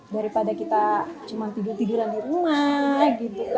daripada kita cuma tidur tiduran di rumah gitu